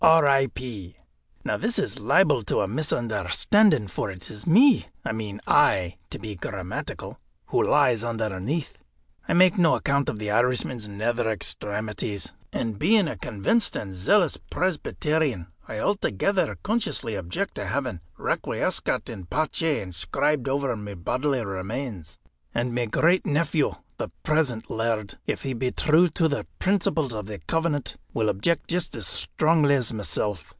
R. I. P.' Now this is liable to a misunderstanding for it is me I mean I, to be grammatical who lies underneath. I make no account of the Irishman's nether extremities. And being a convinced and zealous Presbyterian, I altogether conscientiously object to having 'Requiescat in pace' inscribed over my bodily remains. And my great nephew, the present laird, if he be true to the principles of the Covenant, will object just as strongly as myself.